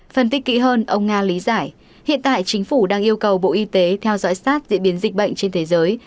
phân tích kỹ hơn ông nga lý giải hiện tại chính phủ đang yêu cầu bộ y tế theo dõi sát diễn biến dịch bệnh trên thế giới